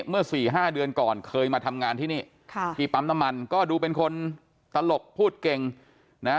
เมื่อสี่ห้าเดือนก่อนเคยมาทำงานที่นี่ที่ปั๊มน้ำมันก็ดูเป็นคนตลกพูดเก่งนะ